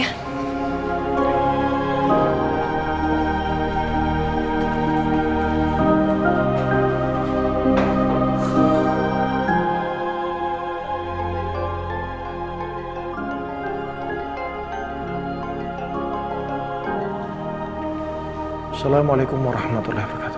assalamualaikum warahmatullahi wabarakatuh